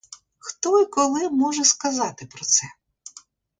Хто й коли може сказати про це?